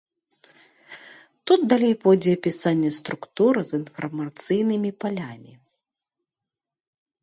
Тут далей пойдзе апісанне структуры з інфармацыйнымі палямі.